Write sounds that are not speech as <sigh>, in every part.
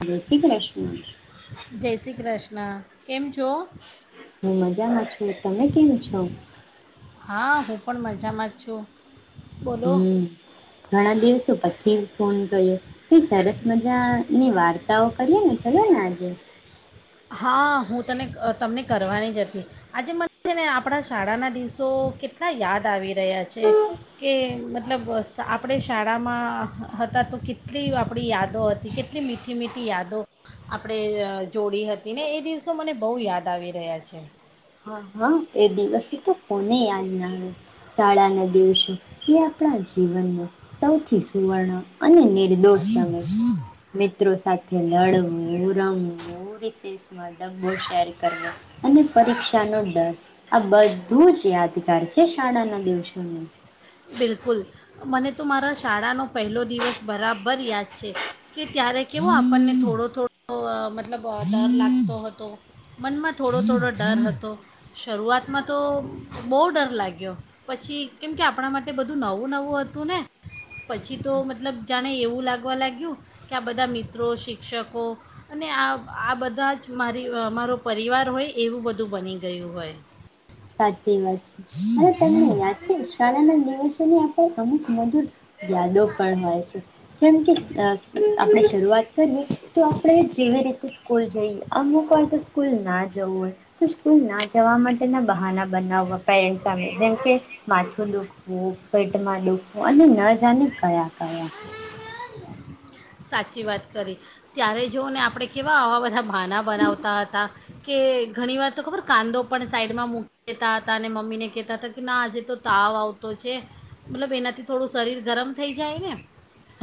જય શ્રી કૃષ્ણ. ન કેમ છો? મજામાં છ ને તમે કેમ છો? હા હું પણ મજામાં જ છું. બોલો હમ ઘણા દિવસ તો પછી ફોન કરીએ કઈ સરસ મજા ની વાર્તાઓ કરીએ ને ચલો ને આજે. હા હું તને ક તમને કરવાની જ હતી આજે મને છે ને આપણા શાળાના દિવસો કેટલા યાદ આવી રહ્યા છે કે મતલબ આપણે શાળામાં હતા તો કેટલી આપણી યાદો હતી કેટલી મીઠી મીઠી યાદો આપણે જોડી હત તી ને એ દિવસો મને બહુ યાદ આવી રહ્યા છે. હા, હા એ દિવસો તો કોને યાદ ના આવે શાળાના દિવસો એ આપણા જીવન ન સૌથી સુવર્ણ અને નિર્દોષ સમય છે. મિત્રો સાથે લડવું, રમવું વો રીસેસ મા ડબો શેર કરવો અને પરીક્ષા નો ડર આ બધું જ યાદગાર છે શાળાના દિવસો નુ. બિલકુલ, મને તો મારા શાળાનો પહેલો દિવસ બરાબર યાદ છે કે ત્યારે કેવો આપણને થોડો થોડો મતલબ ડર લાગતો હતો મનમાં થોડો થોડો ડર હતો શરૂઆતમાં તો બહુ ડર લાગ્યો પછી કેમકે આપ પણા માટે બધું નવું નવું હતું ને પછી તો મતલબ જાણે એવું લાગવા લાગ્યું કે આ બધા મિત્રો શિક્ષકો અને આ આ બધા જ મારી મારો પરિવાર હોય એવું બધું બની ગયું હોય. સાચ ચી વાત છે અને તમને યાદ છે શાળાના દિવસોને અમુક મધુર યાદો પણ હોય છે, જેમ કે આપણે શરૂઆત કરીએ તો આપણે જેવી રીતે સ્કૂલ જઈએ અમુક હોય તો સ્કૂલ ના જ હોય તો સ્કૂલ ના જવા માટેના બહા બનાવા. પેરેન્ટ સામે જેમ કે માથું દુખવું. પેટમાં ડુઃખ અને ન જાને કયા. ક્યાં. સાચી વાત કરી ત્યારે જોઓ ને આપણે કેવા આવા બધા બાાના બનાવતા હતા કે ઘણી વાર તો ખબર, કાંદો પણ સાઈડમાં મૂકીતા હતા અને મમ્મીને કહેતા હતા કે ના આજે તો તાવ આવતો છે મતલબ એનાથી થોડું શરીર ગરમ થઈ જાય ને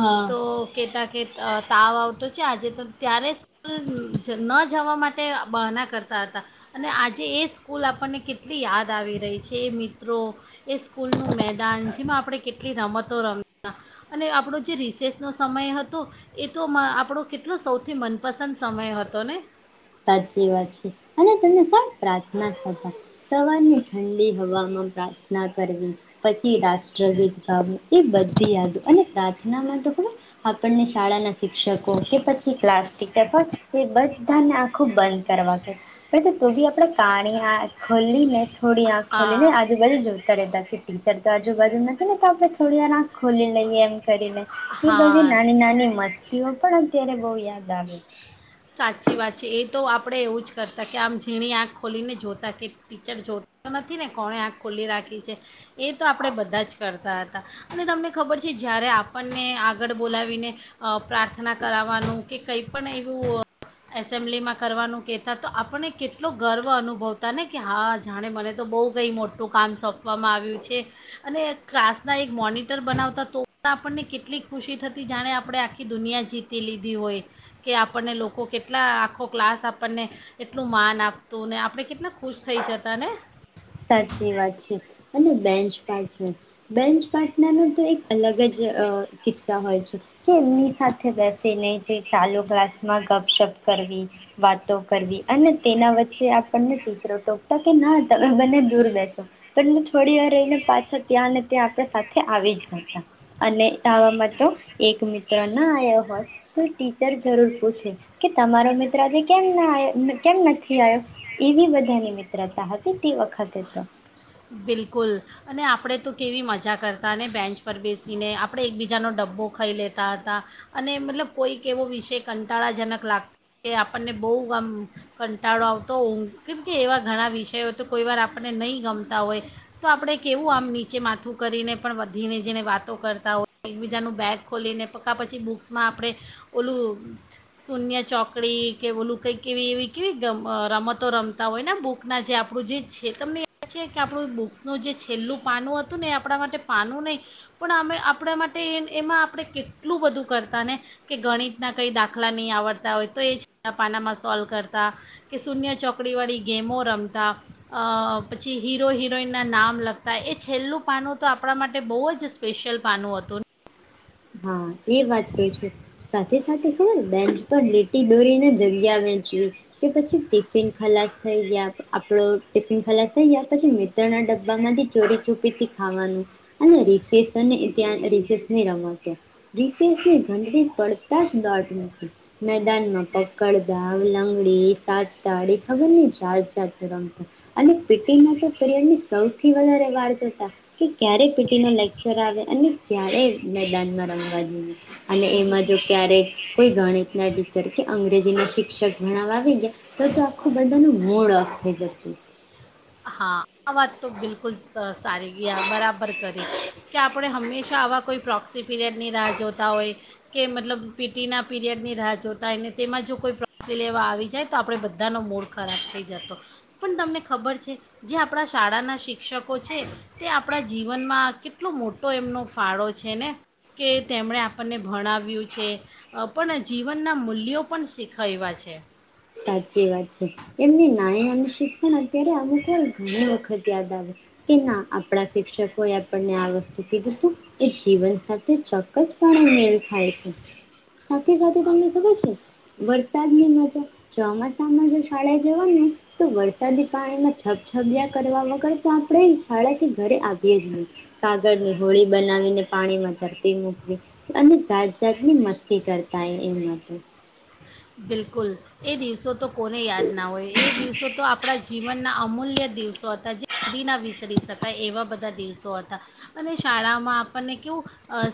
હા તો કેત કે તાવ આવતો છે આજે તો ત્યારે સ્કૂલ ન જવા માટે બહના કરતા હતા અને આજે એ સ્કૂલ આપણને કેટલી યાદ આવી રહી છે, એ મિત્રો, એ સ્કૂલનું મેદાન જેમાં આપણે કેટલી રમતો રમ અને આપણો જે રિસેસનો સમય હતો એ તો આપણો કેટલો સૌથી મનપસંદ સમય હતો ને? સાચી વાત છે અને તને પણ પ્રાર્થના સભા, સવારની ઠંડી હવામાં પ્રાર્થના કરવી પછી રાષ્ટ્રગીત ગાવું એ બધી યાદ અને પ્રાર્થનામાં તો હવે આપણને શાળાના શિક્ષકો કે પછી ક્લાસ ટીચર પણ એ બધા ખો બંધ કરવા કે તું બી આપણે કાણી આખ ખોલીને ખોડી આખ ખોલીને હા આજુ બાજુ જોતા રહેતા કે ટી તો આજુબજુ નથી ને તો આપણે થોડી વાર આંખ ખોલી લઈએ એમ કરીને એ બધી હા નાની નાની મસ્તીઓ પણ અત્યારે બહુ યાદ આવે. સાચી વાત છે, એ તો આપણે એવું જ કરતા કે આમ ઝીણી આંખ ખોલીને જોતા કે ટીચર જોતા નથી ને કોણે આંખ ખોલી રાખી છે. એ તો આપણે બધા જ કરતા. હતા અને તમને ખબર છે જ્યારે આપણને આગળ બોલાવીને અ પ્રાર્થના કરાવવાનું કે કંઈ પણ એવું એસેમ્બલીમાં કરવાનું કહેતા તો આપણને કેટલો ગર્વ અનુભવતા ને કે હા જાણે મને તો બહુ કંઈ મોટું કામ સોંપવામાં આવ્યું છે, અને ક્લાસના એક મોનિટર બનાવતા તો આપણને કેટલીક ખુશી થતી જાણે આપણે આખી દુનિયા જીતી લીધી હોય, કે આપણને લોકો આખો કેટલા આખો ક્લાસ આપણને એટલું માન આપતું ને આપણે કેટલા ખુશ થઈ જતા ને. સાચી વાત છે અને બેન્ચ પાર્ટનર, બેન્ચ પાર્ટનર ન તો એક અલગ જ કિસ્સા હોય છે. કે એમની સાથે બેસીને જે ચાલુ ક્લાસમાં ગપશપ કરવી, વાતો કરવી અને તેના વચ્ચે આપણને દીકરો ટોકતા કે ના બને દૂર બેસો પણ મે થોડી વાર રહીને પાછા ત્યાં ને ત્યાં આપણે સાથે આવી જ દતા, અને આવામાં તો એક મિત્ર ના આવ્યા હોય તો ટીચર જરૂર પૂછે કે તમારો મિત્ર આજે કેમ ના કેમ નથી આવ્યો એવી બધાની મિત્રતા હતી. તી વખતે તો બિલકુલ અને આપણે તો કેવી મજા કરતા ને બેન્ચ પર બેસીને આપણે એકબીજાનો ડબ્બો ખાઈ લેતા હતા, અને મતલબ કોઈક એવો વિષય કંટાળાજનક લાગતો, કે આપણને બહુ ગમ કંટાળો આવતો ઊંઘ કેમ કે એવા ઘણા વિષયો તો કોઈ વાર આપણને નહીં ગમ તા હોય તો આપણે કેવું આમ નીચે માથું કરીને પણ ધીને જીણે વાતો કરતા હોય એકબીજાનું બેગ ખોલીને પકા પછી બુક્સમાં આપણે ઓલું શૂન્ય ચોકડી, કે ઓલું કંઈક એવી એવી કેવી રમતો રમતા હોય ને બુકના જે આપણું જે છે તમે છે કે આપણું બુક્સનું જે છેલ્લું પાનું હતું ને એ આપણા માટે પાનું નહીં પણ અમે આપણા માટે એ એમાં આપણે કેટલું બધું કરતા ને, કે ગણિતના કંઈ દાખલા નહીં આવડતા હોય તો એ છેલ્ પાનામાં સોલ્વ કરતા કે શૂન્ય ચોકડીવાળી ગેમો રમતા. અ પછી હીરો હિરોઈનના નામ લખતા એ છેલ્લું પાનું તો આપણા માટે બહુ જ સ્પેશિયલ પાનું હતું. હા એ વાત તો છે સાથે સાથે ખબર બેન્ચ પર લીટી દોરીને જગ્યા વેચવી, કે પછી ટિફિન ખલાસ થઈ ગયા. આપડો ટિફિન ખાલાસ થઈ ગયા, પછી મિત્ર ના ડબ્બામાંથી ચોરી ચૂપી થી ખાવાનું અને રિસે સ ત્યા રસેની રમત રિસેસની ઘડવી પડતાં જ દોડતા મેદાનમાં પકડદાવ, લંગડી, સાતટાળી ખબર જાત રમતા, અને પી. ટીના સૌથી વધારે વારતા કે ક્યારે પીટી ન લેકચર આવે અને ક્યારે <inaudible> અને એમાં જો ક્યારે કોઈ ગણિત <unintelligible> કે અંગ્રેજી શિક્ષક ભણાવવા આવી ગયા તો તો આખું બધાનું મોડ ઓફ થઈ જતું. હા, આ વાત તો બિલકુલ તો સારી ગીયા બરાબર કરી. કે આપણે હંમેશા આવા કોઈ પ્રોક્સી પિરિયડની રાહ જોતા હોય. કે મતલબ પીતિના પીરિયડની રાહ જોતા હોય ને તેમાં જો કોઈ પ્રોક્સી લેવા આવી જાય તો આપણે બધાનો મૂડ ખરાબ થઈ જતો, પણ તમને ખબર છે જે આપણા શાળાના શિક્ષકો છે તે આપણા જીવનમાં કેટલો મોટો એમનો ફાળો છે ને કે તેમણે આપણને ભણાવ્યું છે પણ જીવનના મૂલ્યો પણ શીખયવા છે. સાચી વાત છે, એમની નાય અનેનું શિક્ષણ અત્યારે અમુક ઘણી વખત યાદ આવે કે ના આપણા શિક્ષકોએ આપણને આ વસ્તુ કીધુ તુ એ જીવન સાથે ચોક્કસપણે મેલ ખાય છે. સાથે સાથે તમને ખબર છે? વરસાદની મજા ચોમાસામાં જો શાળા જવાનું હોય તો વરસાદી પાણીમાં છપછપયા કરવા વગર તો આપણે શાળાથી ઘરે આવીએ જ નહી, કાગળની હોળી બનાવીને પાણીમાં તરતી મૂકવી અને જાત જાતની મસ્તી કરતા, એ માતો. બિલકુલ એ દિવસો તો કોને યાદ ના હોય, એ દિવસો તો આપણા જીવનના અમૂલ્ય દિવસો હતા. જે નદીના વિસરી શકાય એવા બધા દિવસો હતા અને શાળામાં આપણને કેવું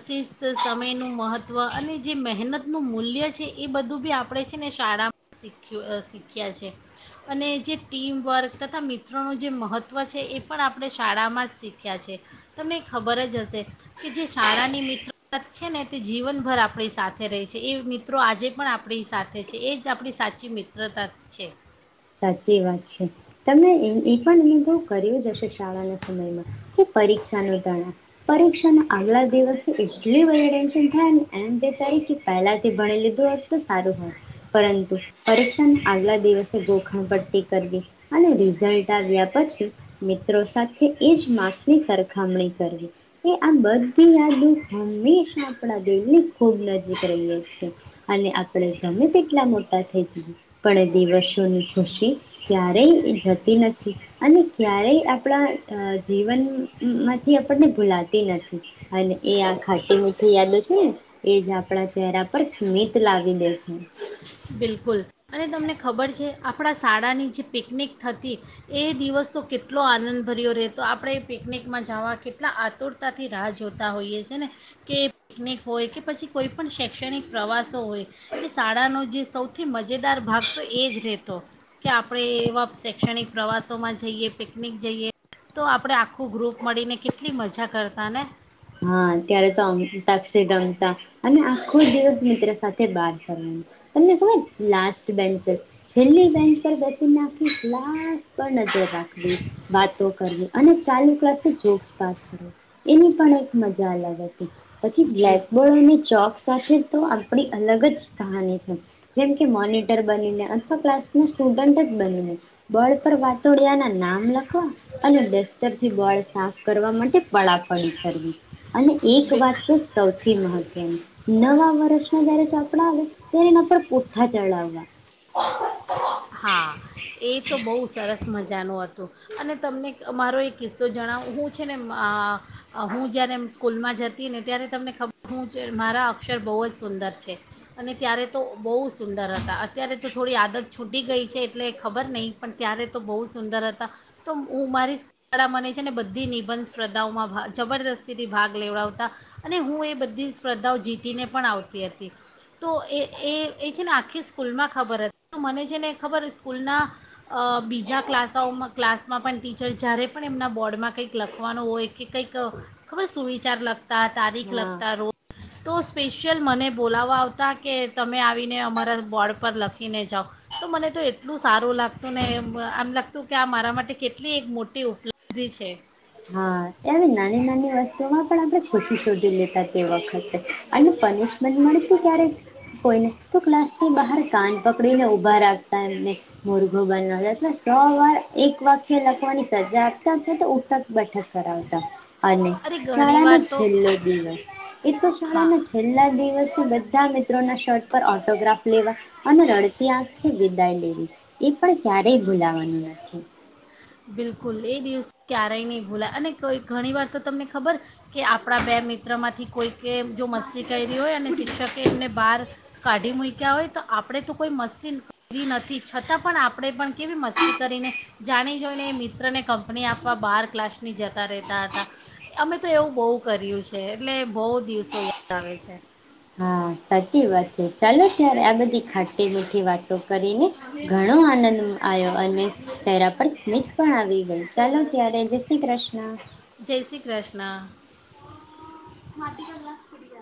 શિસ્ત સમયનું મહત્ત્વ અને જે મહેનતનું મૂલ્ય છે એ બધું બી આપ આપણે છે ને શાળા શીખ્યું શીખ્યા છે અને જે ટીમવર્ક તથા મિત્રોનું જે મહત્ત્વ છે એ પણ આપણે શાળામાં જ શીખ્યા છે. તમને ખબર જ હશે કે જે શાળાની મિત્રો છે ને તે જીવનભર આપણી સાથે રહેહી છે એ મિત્રો આજે પણ આપણી સાથે છે એ જ આપણી સાચી મિત્રતા છે. સાચી વાત છે, તમે એ પણ અનુભવ કર્યો જ હશે શાળાના સમયમાં કે પરીક્ષા ન તણાવ પરીક્ષાના આગલા દિવસે એટલી બી ટેન્શન થાય એમ વચારી કે પહેલાથી ભણી લીધું હોત તો સારું હોય. પરંતુ પરીક્ષા ન આગલા દિવસ ગોખણ પટી કરી. અને રિઝલ્ટ આવ્યા પછી મિત્રો સાથે એજ માર્સની સરખામણી કરવી એ આ બધી યાદો હંમેશા આપણા દિલની ખૂબ નજીક રહીએ છેએ અને આપણે ગમે તેટલા મોટા થઈ જએ, પણ દિવસ <unintelligible> ખુશી ક્યારેય જતી નથી અને ક્યારેય આપણા અ જીવન માંથી આપણને ભૂલાતી નથી અને એ આ ખાટી મીઠી યાદો છે ને એ જ આપણા ચહેરા પર સ્મિત લાવી દે છે. બિલકુલ અને તમને ખબર છે આપણા શાળાની જે પિકનિક થતી એ દિવસ તો કેટલો આનંદભર્યો રહેતો આપણે એ પિકનિકમાં જવા કેટલા આતુરતાથી રાહ જોતા હોઈએ છ છેએ ને કે પિકનિક હોય કે પછી કોઈપણ શૈક્ષણિક પ્રવાસો હોય એ શાળાનો જે સૌથી મજેદાર ભાગ તો એ જ રહેતો કે આપણે એવા શૈક્ષણિક પ્રવાસોમાં જઈએ પિકનિક જઈએ તો આપણે આખું ગ્રુપ મળીને કેટલી મજા કરતા ને. હા ત્યારે તો અંત્યાક્ષરી રમતા અને આખો દિવસ મિત્ર સાથે બાર ફનું તમને ખબર, લાસ્ટ બેચ છેલ્લી બેન્ચ પર બેસી આખી રાખવી વાતો કરવી. અને ચાલુ ક્લાસે જોક્સ પાસ કરવો એની પણ એક મજા જ્યાં લગત પછી બિલ- બ્લેકબોર્ડ અને ચોક સાથે તો આપણી અલગ જ કહાની છે. જેમ કે, મોનીટર બનીને અથવા ક્લાસના સ્ટુડન્ટ જ બનીને બોડ પર વાતોળિયાના નામ લખવા અને ડસ્ટરથી બોર સાફ કરવા માટે પળાપડી કરવી. અને એક બિ- વાત તો સૌથી સૌથી મહત્વની નવા વર્ષના જયારે ચોપડા આવે ત્યારે, એના પણ પુઠ્ઠા ચડાવવા. હા, એ તો બહુ સરસ મજા જાનું હતું. અને તમને મારો એક કિસ્સો જણાવ હું છે ને આ હું જયારે એમ સ્કૂલમાં જ જતી ને ત્યારે તમને ખબર, હું જ મારા અક્ષર બહુ જ સુંદર છે અને ત્યારે તો બઉ સુંદર હતા. અત્યારે તો થોડી આદત છૂટી ગઈ છે એટલે ખબર નહીં. પણ ત્યારે તો બહુ સુંદર હતા. તો હું મારી સ્કૂવાળા મને છે ને બધી નિબંધ સ્પર્ધાઓમાં જબરદસ્તીથી ભાગ લેવડાવતા અને હું એ બધી સ્પર્ધાઓ જીતીને પણ આવતી હતી. તો એ એ એ છે ને આખી સ્કૂલમાં ખબર હતી. તો મને છે ને ખબર સ્કૂલના અ બીજા ક્લાસાઓમાં ક્લાસમાં પણ ટીચર જ્યારે પણ એમના બોર્ડમાં કંઈક લખવાનું હોય કે કંઈક ખબર સુવિચાર લખ તા તારીખ હા લગતા રોજ તો સ્પેશિયલ મને બોલાવવા આવતા કે, તમે આવીને અમારા બોર્ડ પર લખ ને જાઓ. તો મને તો એટલું સારું લાગતું ને એ આમ લાગતું કે આ મારા માટે કેટલી એક મોટી ઉપલબ્ધિ છે. હા, ત્યારે નાની નાની વસ્તુમાં પણ આપણે ખુશી શોધી લેતા તે વખતે અને પનિશમેન્ટ મળતી ક્યારેક કોઈને તો ક્લાસ ની બહાર કાન પકડી ને ઉભા રાખતા એમને. મુરઘો બનાવતા અથવા સો વાર એક વાકય લખવાની સજા આપતા અથવા તો ઉઠક બેઠક કરાવતા. અને અરે શાળાનો ઘણીવાર તો છેલ્લો દિવસ એ તો શાળા હા ના છેલ્લા દિવસે બધા ત્યા મિત્રો ના શર્ટ પર ઓટોગ્રાફ લેવા અને રડતી આંખે વિદાય લેવી, એ પણ ક્યારેય ભૂલાવાનું નથી. બિલકુલ એ દિવસ ક્યારેય નહીં ભૂલાય. અને કોઈ ઘણી વાર તો તમને ખબર કે આપણા બે મિત્રમાંથી કોઈકે જો મસ્તી કયરી હોય અને શિક્ષકે એમને બહાર કાઢી મૂક્યા હોય તો આપણે તો કોઈ મસ્તી કરી નથી, છતાં પણ આપણે પણ કેવી મસ્તી કરીને જાણી જોને એ મિત્ર ને કંપની આપવા બાર ક્લાસ ની જતા રહેતા હતા. અમે તો એવું બઉ કર્યું છે એટલે બઉ દિવસો યાદ આવે છે. હા, સાચી વાત છે. ચાલો ત્યારે આ બધી ખાટી મીઠી વાતો કરીને ઘણો આનંદ આવ્યો અને ચહેરા પર સ્મિત પણ આવી ગઈ. ચાલો ત્યારે, જય શ્રી ક્રષ્ન. માટી નો ગ્લાસ પડી ગયા